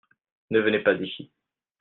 ne venez pas ici.